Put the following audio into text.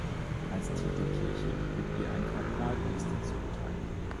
Als Titelkirche wird ihr ein Kardinalpriester zugeteilt.